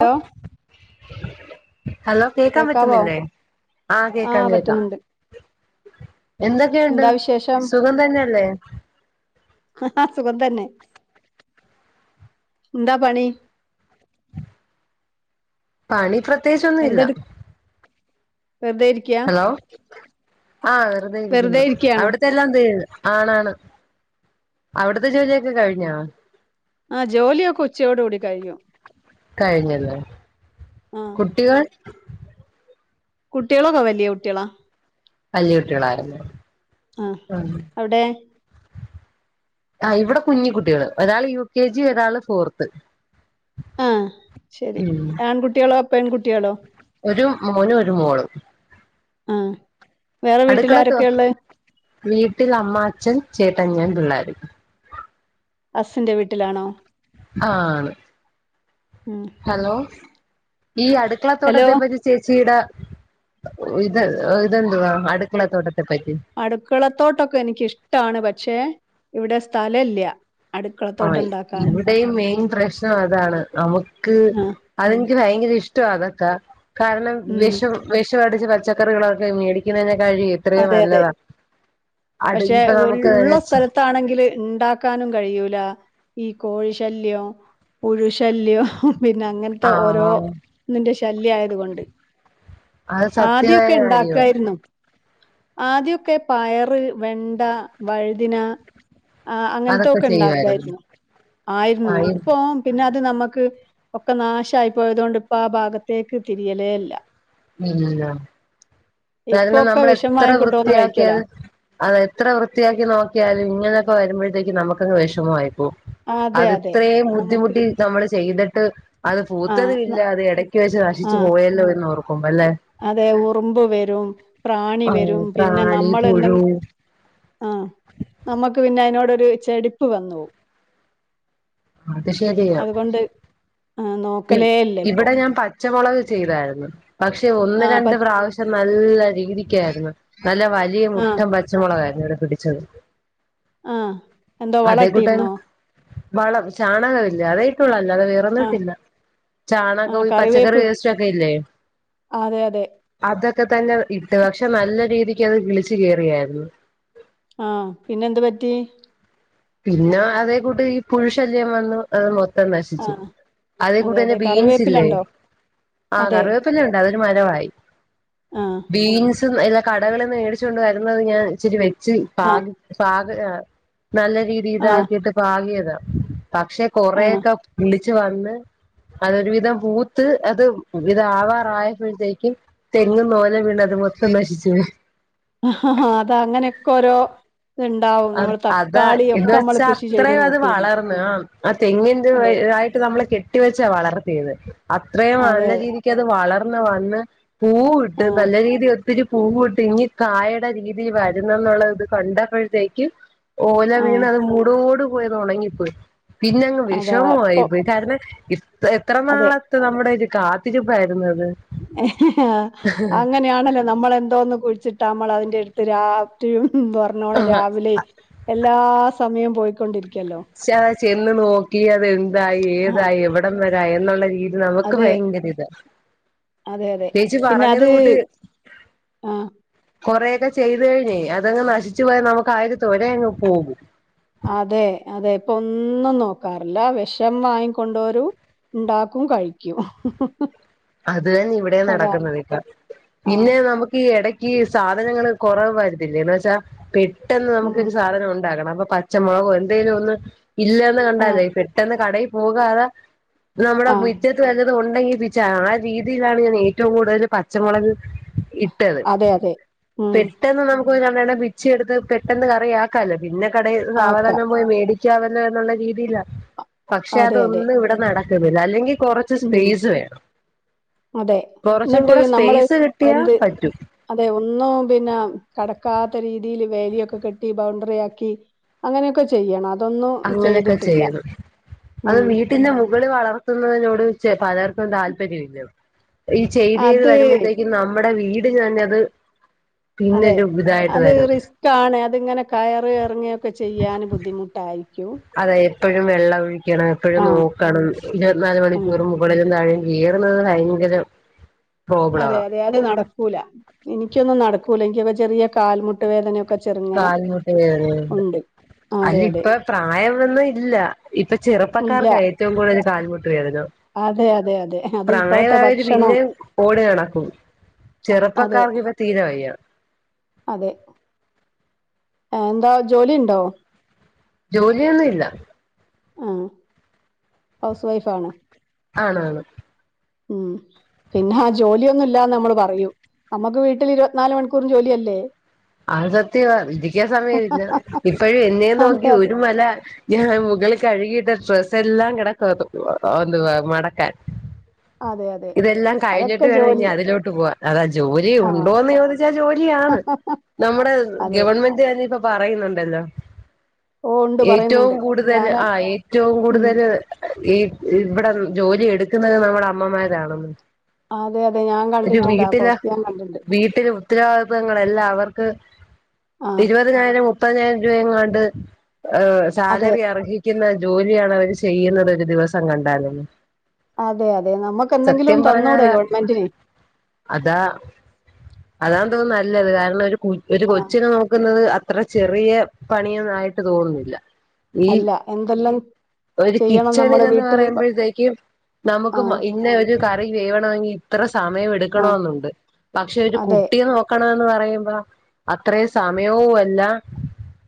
Hello [inaudible] hello കേക്കാൻ കേക്കാവോ പറ്റുന്നില്ലേ? ആഹ് കേക്കാം കേക്കാം എന്തൊക്കെയുണ്ട് എന്താ വിശേഷം സുഖം തന്നെയല്ലേ? സുഖം തന്നെ ന്താ പണി? പണി പ്രത്യേകിച്ചൊന്നുല്ല വെറ്തെയിരി ഹലോ ആഹ് വെറുതെ വെറുതെയിരിക്കുന്നു ഇരിക്കയാണോ അവി [unintelligible] ആണാണ് അവിടുത്തെ ജോലിയൊക്കെ കഴിഞ്ഞോ? ആ ജോലിയൊക്കെ ഉച്ചയോട് കൂടി കഴിയും. കഴിഞ്ഞല്ലെ ആഹ് കുട്ടികൾ കുട്ടികളൊക്കെ വല്യ കുട്ടികള വല്യ കുട്ടികളായിരുന്നു ആഹ് അവിടെ ആഹ് ഇവിടെ കുഞ്ഞി കുട്ടികൾ ഒരാള് യു കെ ജി, ഒരാള് ഫോർത്ത്. ആഹ് ശെരി ഉം ആൺകുട്ടികളോ, പെൺകുട്ടികളോ? ഒരു മോനും, ഒരു മോളും ആഹ് വേറെ വീട്ടിൽ ആരൊക്കെയുള്ളേ [unintelligible] വീട്ടിൽ അമ്മ, അച്ഛൻ, ചേട്ടൻ, ഞാൻ, പിള്ളേർ ഹസ്ന്റെ വീട്ടിലാണോ? ആണ് ഉം ഹലോ ഈ ഹലോ അടുക്കളത്തോട്ടത്തെ പറ്റി ചേച്ചീടെ ഇത് ഇതെന്തുവാ അടുക്കള ത്തോട്ടത്തെ പറ്റി അടുക്കളത്തോട്ടൊക്കെ എനിക്കിഷ്ടാണ് പക്ഷേ ഇവിടെ സ്ഥലല്യ ആയ് ഇവിടെയും മെയിൻ പ്രശ്നം അതാണ്. നമുക്ക് ആഹ് അതെനിക്ക് ഭയങ്കര ഇഷ്ടവ അതെക്കെ കാരണം ഉം വിഷം വെഷമടിച്ച പച്ചക്കറികളൊക്കെ മേടിക്കണേനേക്കാളും ത്രയും അതെ അതെ നല്ലതാ അടു ഇപ്പ നമുക്ക് [unintelligible] റത്തണെങ്കില് ഇണ്ടാക്കാനും കഴിയൂല ഈ കോഴി ശല്യം പുഴു ശല്ല്യം പിന്നെ അങ്ങനത്തെ ആ ഓരോ ഇതിന്റെ ശല്ല്യം ആയത് കൊണ്ട് അത് സത്യമായ ആദ്യൊക്കെ കാര്യവാ ഇണ്ടാക്കായിരുന്നു ആദ്യൊക്കെ പയറ്, വെണ്ട, വഴുതിന ആഹ് അതൊക്കെ അങ്ങനത്തൊക്കെ ചെയ്യുവായിരുന്നു ഉണ്ടാക്കായിരുന്നു ആയിരുന്നു ആ ഇപ്പൊ പിന്നെ അത് നമക്ക് ഒക്കെ നാശായി പോയത് കൊണ്ട് ഇപ്പ ആ ഭാഗത്തേക്ക് തിരിയലേ ഇല്ല മ്മ് കാരണം ഇപ്പൊക്കെ നമ്മൾ വിഷം എത്ര വാങ്ങിക്കൊണ്ടോന്ന് കഴിക്കലാ വൃത്തിയാക്കിയാലും അത് എത്ര വൃത്തിയാക്കി നോക്കിയാലും ഇങ്ങനൊക്കെ വരുമ്പോഴത്തേക്ക് നമുക്കങ്ങ് വിഷമം ആയി പോവും. അതെ അത് അതെ ഇത്രയും നമുക്ക് ബുദ്ധിമുട്ടി നമ്മൾ ചെയ്തിട്ട് അത് ആ പൂത്തതും ഇല്ല അത് എടക്ക് വെച്ച് നശിച്ചു ആ പോയല്ലോ എന്ന് ഓർക്കുമ്പോ അല്ലേ അതെ ഉറുമ്പ് വരും, പ്രാണി വരും പിന്നെ പ്രാണി നമ്മൾ എന്തെ പുഴു ആ നമുക്ക് പിന്നെ അയിനോടൊരു ചെടിപ്പ് വന്നു പോവും അത് ശരിയാ അതുകൊണ്ട് ആ, ഇ നോക്കലേ ഇല്ല ഇപ്പൊ ഇവിടെ ഞാൻ പച്ചമുളക് ചെയ്തായിരുന്നു. പക്ഷെ ഒന്ന് ആ പ രണ്ട് പ്രാവശ്യം നല്ല രീതിക്കായിരുന്നു നല്ല വലിയ ആ മുട്ടം പ പച്ചമുളകായിരുന്നു ഇവിടെ പിടിച്ചത് ആ എന്തോ വള അതേ കൂട്ടാന് ഇട്ടിരുന്നോ വളം ചാണകമില്ല അതെയിട്ടുള്ളു അല്ലാതെ ആ വോറെന്നും ട്ടില്ല ആ ചാണകവും പച്ചക്കറി കറിവേപ്പ് വേസ്റ്റ് ഒക്കെ ഇല്ലേ അതെ അതെ അതൊക്കെ തന്നെ ഇട്ട് പക്ഷെ നല്ല രീതിക്ക് അത് വിളിച്ച് കേറിയായിരുന്നു. ആഹ് പിന്നെ എന്ത് പറ്റി പിന്നെ അതേ കൂട്ട് ഈ പുഴു ശല്ല്യം വന്നു അത് മൊത്തം ആ നശിച്ചു. അതേ അതെ കൂടെ അതെ ന്നെ ബീൻസ് ഇല്ലേ കറിവേപ്പിലണ്ടോ ആഹ് അതെ കറി ഇപ്പോ അതൊരു മരവായി ആഹ് ബീൻസും എല്ല കടകള്ൽ എല്ല മേടിച്ച് കൊണ്ട് വരുന്നത് ഞാൻ ഇച്ചിരി വെച്ച് ആ പാക പാക നല്ല രീതി ആ ഇതാക്കിട്ട് പാകിയതാ. പക്ഷെ ആ കൊറേയൊക്കെ വിളിച്ചു വന്ന് അതൊരുവിധം പൂത്ത് അത് പുതിയത് ആവാറായപ്പോഴത്തേക്കും തെങ്ങും നോല വീണതും മൊത്തം നശിച്ചിണ് അത് അങ്ങനെയൊക്കെ ഓരോ ഇത്ണ്ടാവും അത് നമ്മൾ അതാ ഇത് തക്കാളിയൊക്കെ നമ്മൾ വെച്ചാ കൃഷി അത്രെ ചെയ്ത് അത് നോക്കിയിരുന്നു വളർന്ന് ആഹ് ആ തെങ്ങിന്റെ അതെ ഇതായിട്ട് നമ്മളെ കെട്ടിവെച്ചാ വളർത്തിയത്. അത്രയും അതെ നല്ല അതെ രീതി ക്ക് അത് വളർന്ന് വന്ന് പൂവിട്ട് ആ നല്ല രീതി ഒത്തിരി പൂവ് ഇട്ട് ഇഞ്ഞ് കായെയ്ടെ രീതിയിൽ വരുന്നെന്നുള്ളത് ഇത് കണ്ടപ്പോഴത്തേക്കും ഓല ആ വീണ് അത് മൂടോട് പോയത് ഒണങ്ങിപ്പോയി. പിന്നങ്ങ് അതാ വിഷമമായി അപ്പൊ പോയി. കാര്ണം ഇത്ര എത്ര നാള അതെ ത്തെ നമ്മുടെ ഒരു കാത്തിരിപ്പായിരുന്നു അത് അങ്ങനെ ആണല്ലോ നമ്മളെന്തോന്ന് കുഴിച്ചിട്ടാമ്മള് അതിന്റെ എടുത്ത് രാത്രിയും വെര്ണ്ണോണം രാവിലെയ് എല്ലാ സമയം പോയിക്കൊണ്ടിരിക്കല്ലോ ക്ഷാ ചെന്ന് നോക്കി അതെന്തായി ആ ഏതായി എവിടം വരാ എന്നുള്ള രീതി നമുക്ക് അതെ. ഭയങ്കര ഇത് അതെ അതെ. ചേച്ചി പിന്നെ പറഞ്ഞത് അത് കൂട്ട് ആ കൊറേയൊക്കെ ചെയ്ത് കഴിഞ്ഞെ അതങ്ങ് നശിച്ചു പോയാ നമുക്ക് ആ ഒരു തൊര അങ്ങ് പോകും അതെ അതെ ഇപ്പം ഒന്നും നോക്കാറില്ല വെഷം വാങ്ങികൊണ്ടോരു ഉണ്ടാക്കും കഴിക്കും അത് തന്നെ ഇവിടെ അതാണ്. നടക്കുന്നത് ഇപ്പം. ആ. പിന്നെ നമുക്ക് ഈ എടക്ക് ക്കീ സാധനങ്ങള് കൊറവായിരുത്തില്ലേ. എന്ന് വെച്ചാ പെട്ടെന്ന് ഉം. നമുക്കൊരു സാധനം ഉണ്ടാകണം അപ്പൊ പ പച്ചമുളകോ എന്തേലും ഒന്ന് ഇല്ലന്ന് ആ. കണ്ടാലേ പെട്ടെന്ന് കടയി പോകാതെ നമ്മുടെ ആ. മിറ്റത്ത് തന്നെ അത് ഉണ്ടെങ്കി [unintelligible] ആ രീതിയിലാണ് ഞാൻ ഏറ്റവും കൂടുതല് പച്ചമുളക് ഇട്ടത് അതെ അതെ. ഉം. പെട്ടെന്ന് നമുക്ക് [unintelligible] പിച്ചി എടുത്ത് പെട്ടെന്ന് കറിയാക്കാല്ലോ. പിന്നെ കട ആക്ക. സാവധാന പോയി മേടി ക്കാ [unintelligible] ല്ലോ എന്നുള്ള രീതിയില. പക്ഷെ അതെ അതെ. അതൊന്നും ഇവടെ നടക്കുന്നില്ല അല്ലെങ്കി കൊറച്ച് ച്ച് ഉം. സ്പെയ്സ് വേണം അതെ കുറച്ചും ഇന്നട്ട് കൂടെ നമ്മള് സ്പേസ് കിട്ടിയാ എന്ത് പറ്റും അതെ. ഒന്നും പിന്നെ കടക്കാത്ത രീതിൽ വേല്യൊക്കെ കെട്ടി ബൗണ്ടറി ആക്കി അങ്ങനെയൊക്കെ ചെയ്യണം അതൊന്നും അങ്ങനെയൊക്കെ ചെയ്തിട്ട് ഇല്ല ഉം ഇവടെ വളർത്തുന്നതിനോട് പലർക്കും താല്പര്യ ഇല്ല ഈ ചെയ്യ്തെ അത് വരുമ്പഴ്ത്തേക്കും നമ്മുടെ വീടിന്‌ തന്നെ അത് പിന്നെ ഒരു ഇതായിട്ട് വരും ഇക്കാണ് അതിങ്ങനെ കയറ് എറങ്ങെ ഒക്കെ ചെയ്യാൻ ബുദ്ധിമുട്ടായിക്കും അതെ എപ്പഴും വെള്ളം ഒഴിക്കണം. എപ്പഴും ആഹ് നോക്കണം. ഇരുപത്തിനാല് ആഹ് മണിക്കൂറും മോളില് താഴെ കേറുന്നത് ഭയങ്കരം അതെ അതെ അത് നടക്കൂല. എനിക്കൊന്നും നടക്കൂല. ഇൻക്ക് ചെറിയ കാൽമുട്ട് വേദന കാല് മുട്ട് വേദനയുണ്ട് അതെ അല്യ അതെ ഇപ്പോ പ്രായമൊന്നും ഇല്ല. ഇപ്പ ഇല്ല ചെറുപ്പക്കാർക്കാ ഏറ്റ് റ്റവും കൂടുതൽ കാൽമുട്ട് വേദന അതെ അതെ അതെ അത് ഇപ്പോഴത്തെ പ്രയമായവര് ഭക്ഷണം പിന്നെ ഓടി നടക്കും അതെ ചെറുപ്പക്കാർക്ക് ഇപ്പ തീരെ വയ്യ അതെ എന്താ ജോലി ഇണ്ടോ ജോലിയൊന്നും ഇല്ല ആഹ് ഹൗസ് വൈഫ് ആണ്. ആണ് ആണ്. ഉം പിന്നെ ജോലിയൊന്നുല്ലാന്ന് നമ്മള് പറയും നമ്മക്ക് വീട്ടില് ഇരുപത്തിനാല് മണിക്കൂറും ജോലിയല്ലേ? ആത് സത്യ ഇരിക്കാൻ സമയമില്ല ഇപ്പഴും എന്നെ നോക്കി അതെ അതെ ഒരു മല ഞാൻ മുകളിൽ കഴുകിയിട്ട ഡ്രസ്സ് എല്ലാം കിടക്കുവാ ഒന്ന് മടക്കാൻ. അതെയ ഇതെല്ലാം കഴിഞ്ഞിട്ട് വേണം ഇനി അതിലോട്ട് പോവാൻ അതാ ജോലി ആഹ് ഉണ്ടോന്ന് ചോദിച്ചാൽ ജോലിയാണ്. നമ്മുടെ അതെ ഗവൺമെന്റ് തന്നെ ഇപ്പോ പറയുന്നുണ്ടല്ലോ ഓ ഉണ്ട് ഏറ്റവും പറയുന്നുണ്ട് കൂടുതല് ഞാന് ആഹ് ഏറ്റവും ഉം കൂടുതല് ഈ ഇവിടെ ജോലി എടുക്കുന്നത് നമ്മുടെ അമ്മമാരാണെന്ന്. അതെ അതെ ഞാൻ ഒരു കണ്ടിട്ടുണ്ട് ആ വീട്ടിലെ പോസ്റ്റ്‌ ഞാൻ കണ്ടിണ്ട്. വീട്ടിലെ ഉത്തരവാദിത്തങ്ങളെല്ലാം അവർക്ക് ഇരുപ ആഹ് ഇരുപതിനായിരം മുപ്പതിനായിരം രൂപയങ്ങാണ്ട് ഏഹ് അതെ സാലറി അർഹി ക്കുന്ന ജോലിയാണ് അവര് ചെയ്യുന്നത് ഒരു ദിവസം കണ്ടാലെന്ന്. അതെ അതെ നമുക്കെന്തെങ്കിലും ഒന്ന് തന്നൂടേ പറഞ്ഞാലാ ഗവൺമെന്റിന്? അതാ അതാ തോന്നുന്നു നല്ലത് കാരണം ഒരു ഒരു ആഹ് കൊച്ചിനെ നോക്കുന്നത് അ ത്ര ചെറിയ പണിയൊന്നും ആയിട്ട് തോന്നുന്നില്ല. ഈ അല്ല എന്തെല്ലാം ഒരു ചെയ്യണം നമ്മള് കിച്ചണിലെന്ന് വീട്ടില് പറയുമ്പോഴത്തേക്കും നമുക്ക് ആഹ് ഇന്ന ഒരു കറി വേവണമെങ്കിൽ ഇത്ര സമയം ആഹ് എടുക്കണന്നുണ്ട് പക്ഷേ ഒരു അതെ കുട്ടിയെ നോ ക്കണന്ന് പറയുമ്പോ അത്രയും സമയവും അല്ല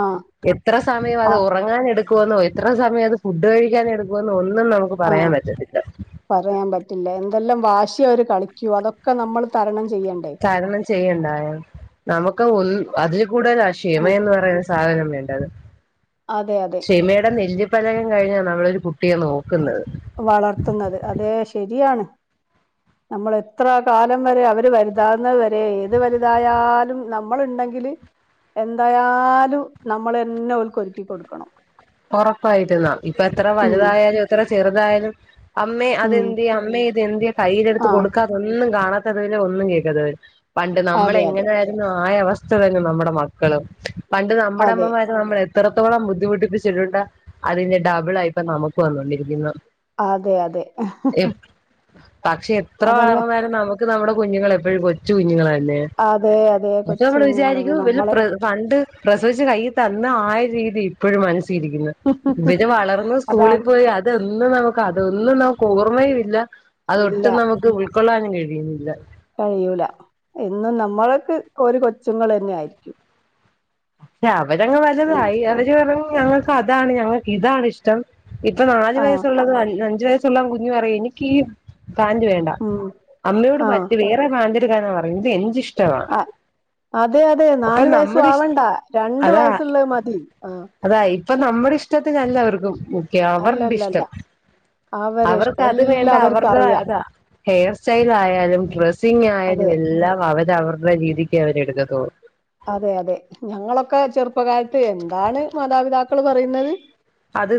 ആഹ് എത്ര സമയം അത് ആഹ് ഉറങ്ങാൻ എടുക്കുവെന്നോ എത്ര സമയം അത് ഫുഡ് കഴിക്കാൻ എടുക്കുമെന്നോ ഒന്നും നമു ക്ക് പറയാൻ ആഹ് പറ്റത്തില്ല. പറയാൻ പറ്റില്ല എന്തെല്ലാം വാശിയാ അവര് കളിക്കുവാ അതൊക്കെ നമ്മൾ തരണം ചെയ്യണ്ടേ? തരണം ചെയ്യണ്ടായോ നമുക്ക് ഒന്ന് അതിൽ കൂടുതലാ ക്ഷമ ആ എന്ന് പറയുന്ന സാ സാധനം വേണ്ടത് അതെ അതെ ക്ഷമയുടെ നെല്ലി പലകേം കഴിഞ്ഞാ നമ്മളൊരു കുട്ടിയെ നോക്കുന്നത്. വളർത്തുന്നത് അതേ ശരിയാണ്. നമ്മൾ എത്ര കാലം വരെ അവര് വലുതാവുന്നത് വരെ ഏത് വലുതായാലും നമ്മള് ഇണ്ടെങ്കില് എന്തായാലും നമ്മളന്നെ ഓൽക്ക് ഒരുക്കി കൊടുക്കണം. ഉറപ്പായിട്ടും ന ഇപ്പ എത്ര ഉം വലുതായാലും എത്ര ചെറുതായാലും അമ്മേ ഉം അതെന്തിയെ അമ്മേ ഇത് എന്തിയേ കയ്യിലെടുത്ത് ആ കൊടുക്കാ ഒന്നും കാണാത്തതുല്ലാ ഒന്നും കേൾക്കാതെ വരും പണ്ട് അതെ അതെ നമ്മളെങ്ങനെ [unintelligible] രുന്നോ ആയവസ്ഥ തരും നമ്മുടെ മക്കളും പണ്ട് നമ്മുടെ അതെ അമ്മമാരെ നമ്മൾ എത്രത്തോളം ബുദ്ധിമുട്ടിപ്പിച്ചി ച്ചിട്ടുണ്ടോ അതിന്റെ ഡബിളാ ഇപ്പോ നമുക്ക് വന്നോണ്ടിരിക്കുന്നെ. അതെ അതെ ഇ പക്ഷേ എത്ര അതങ്ങ് വളർന്നാലും നമു ക്ക് നമ്മുടെ കുഞ്ഞുങ്ങൾ എപ്പഴും കൊച്ചു കുഞ്ഞുങ്ങളന്നെയാ അതെ അതെ [unintelligible] കൊച്ചു നമ്മൾ കുഞ്ഞുങ്ങളെ വിചാരിക്കും പിന്നെ നമ്മളെ പ്ര പണ്ട് പ്രസവിച്ചു കയ്യി തന്ന ആ രീതി ഇപ്പോഴും മനസ്സിലിരിക്കുന്നെ. ഇവര് വളർന്നു സ്കൂളി അതാണ് പോയി അത് തൊന്നും നമുക്ക് അതൊന്നും നമുക്ക് ഓർമ്മയും ഇല്ല ഇല്ല അതൊട്ടും നമുക്ക് ഉൾ ക്കൊള്ളാനും കഴിയുന്നില്ല. കഴിയൂലാ എന്നും നമ്മളക്ക് ഓര് കൊച്ചുങ്ങളന്നെ ആയിരിക്കും. അവരങ്ങ് ഉം വലതായി അവര് പറിയും ഞങ്ങൾക്ക് അതാണ് ഞങ്ങക്കിതാണിഷ്ടം ഇപ്പോ നാല് ആ വയസ്സുള്ളത് അഞ്ചു വയസുള്ള കുഞ്ഞ് പറയും എനിക്കി പാന്റ് വേണ്ട. ഉം അമ്മയോട് ആ മറ്റ് വേറെ പാന്റ് എടുക്കാന് പറയും ഇത് എന്റെഷ് ആഹ് അതെയതെ നാലു വയസ്സും നമ്മുടെ ഇഷ് ആവണ്ടാ രണ്ട് അതാ വയസ്സുള്ള മതി ആഹ് അതാ ഇപ്പോ നമ്മുടെ ഇഷ്ടത്തിനല്ല അവർക്ക് മുഖ്യം അവരുടെ അല്ലല്ലല്ല ഇഷ്ടം. അവരെ ഇഷ്ടം അവർക്കത് വേണ്ട എല്ലാവർക്കും അവർടെ അറിയാം അതാ ഹെയർ സ്റ്റൈൽ ആയാലും ഡ്രെസ്സിംഗ ആയാലും അതെ എല്ലാം അവര അവരുടെ രീതിക്ക് അവരെടുക്കത്തുള്ളൂ അതെയതെ ഞങ്ങളൊക്കെ ചെറുപ്പകാലത്ത് എന്താണ് മാതാപിതാക്കൾ പറയുന്നത്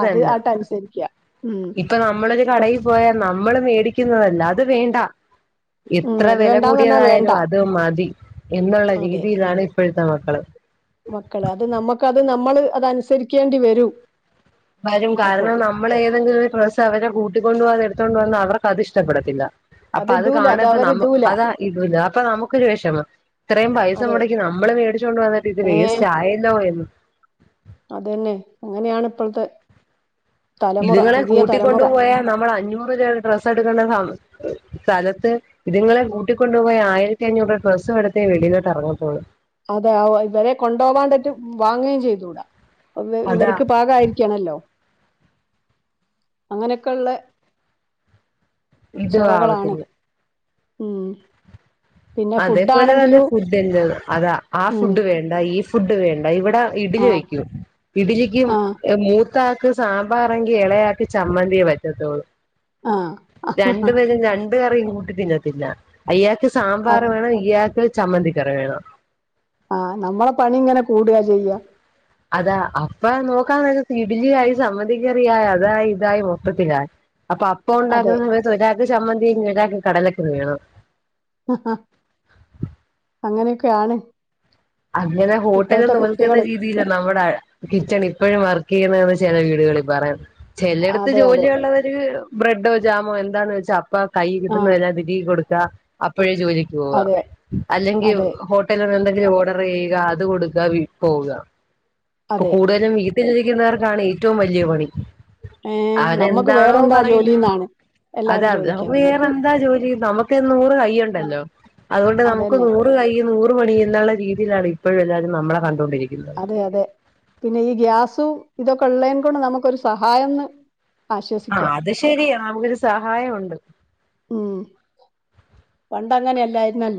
അത് ആട്ട്നുസരിക്ക ഉം ഇപ്പൊ നമ്മളരു കടയിൽ പോയാ നമ്മള് മേടിക്കുന്നതല്ല അത് വേണ്ട ഉം എത്ര അത് വില വേണ്ടാന്ന് പറഞ്ഞാ വേണ്ട കൂടിയതായാലും അത് മതി എന്നുള്ള അതെ രീതിയിലാണ് ഇപ്പോഴത്തെ മക്കള് മക്കള് അത് നമ്മുക്കത് നമ്മള് അതനുസരിക്കേണ്ടി വരും വരും അപ്പോ കാരണം നമ്മൾ ഏതെങ്കിലും ഒരു പ്രസ്ം അവരെ കൂട്ടിക്കൊണ്ട്പോാെ എടുത്തണ്ട് വന്നാ അവർക്കത് ഇഷ്ടപ്പെടത്തില്ല അപ്പ അത് കാണഭം നമ്മ അതാ ഇതല്ല അപ്പൊ നമുക്കൊരു വിഷമ ഇത്രയും പൈസ അതെ മുടക്കി നമ്മള് മേടിച് കൊണ്ട് വന്നിട്ട് ഇത് ഏ വേസ്റ്റ് ആയല്ലോ എന്ന് അതെന്നെ അങ്ങനെയാണ് ഇപ്പത്തെ ഇതിങ്ങെളെ തലമുറ കൂട്ടിക്കൊണ്ടുപോയാ നമ്മള് അഞ്ഞൂറ് രൂപയുടെ ഡ്രസ് എടുക്കേണ്ടതാ സ്ഥലത്ത് ഇതുങ്ങളെ കൂട്ടിക്കൊണ്ടുപോയി ആയിരത്തി അഞ്ഞൂ രൂപ ഡ്രെസ്സും എടുത്തേ വെളിയിലോട്ട്റങ്ങതുള്ളു അതെ ഇവരെ കൊണ്ടുവാ പറ്റു വാങ്ങയും ചെയ്തുടാ അതാ ഇവർക്ക് പാകായിരിക്കണല്ലോ അങ്ങനെയൊക്കെള്ള ഇത് ചൊറകളാണ് ആവത്തില്ല ഉം പിന്നെ അതേപോലെ തന്നെ ഫുഡാണെങ്കിലും ഫുഡ് ൻ്റത് അതാ ആഹ് ഉം ഫുഡ് വേണ്ട ഈ ഫുഡ് വേണ്ട ഇവിടെ ആ ഇഡലി വെക്കും ഇഡലിക്ക് ആ അഹ് മൂ ത്താക്ക് സാമ്പാറങ്കി ഇളയാക്കി ചമ്മന്തിയേ പറ്റത്തുള്ളൂ ആ രണ്ടു പേരും രണ്ട് കറിൻകൂട്ടി തിന്നത്തിന്നാ അയാക്ക് സാമ്പാർ അതെ വേണം ഇയാക് ചമ്മന്തിക്കറി വേണം ആഹ് നമ്മളെ പണി ഇങ്ങനെ കൂടാ ചെയ്യാ അതാ അപ്പ നോക്കാന്ന് വെച്ചാൽ ഇടുലിയായി സമ്മന്തിക്കറിയായി അതായി ഇതായി മൊത്തത്തില അപ്പൊ അപ്പ അതെ ഉണ്ടാക്കുന്ന സമയത്ത് ഒരാക്ക് ചമ്മന്തി ഒരാക്ക് കടലക്കറി വേണം ഹ് ഹാ അങ്ങനെയൊക്കെയാണ് അങ്ങനെ ഇപ്പോഴത്തെ ഹോട്ടല്ന്ന് നോൽക്കുന്ന കുട്ടികള് രീതി തീരും നമ്മുടെ കിച്ചൺ ഇപ്പോഴും വർക്ക് ചെയ്യുന്നന്ന് ചെല വീടുകളിൽ പറയാം ചിലടത്ത് അതെ അതെ ജോലിയ ഉള്ളവര് ബ്രെഡോ ജാമോ എന്താന്ന്വച്ചാ അപ്പ കൈ ആ കിട്ടുന്ന എല്ലാം തിരികി കൊടുക്ക അപ്പോഴേ ജോലിക്ക് പോ അതെ അല്ലെങ്കി അതെ ഹോട്ടല് എന്തെങ്കിലും ഓട കൊറേ ആഹ് അത് കൊട്ക്കാ വീ പോകാ ഇപ്പൊ അതെ കൂട്തലും ട്ടിലിര്ക്ക്ന്നവർക്കാണേറ്റവും വല്ല്യ പണി ഏ നമ്മക്ക് അതെന്താണോ വേറെന്താ പറയ് ജോലിന്നാണ് അതെ എല്ലാരും ചോദിക്കുക നമുക്ക് നിങ്ങക്ക് വേറെന്താ ജോലി നമുക്ക് നൂറ് ആ കൈയുണ്ടല്ലോ അത്കൊണ്ട് നമുക്ക് അതന്നെ നൂറ് നൂറ് കൈയ്യും നൂറ് പണിന്ന്ള്ള രീതിയിലാണ് ഇപ്പഴും എല്ലാരും നമ്മളെ കണ്ടോണ്ടിര്ക്ക്ന്നത് അതെ അതെ പിന്നെ ഈ ഗ്യാസും ഇതൊക്കെള്ളേനെ കൊണ്ട് നമുക്കൊരു സഹായംന്ന് ആഹ് ആശ്വസിക്കാം അത് ശരിയാ നമുക്കൊരു സഹായൊണ്ട് ഉം പണ്ടങ്ങനെല്ലായിരുന്നല്ലോ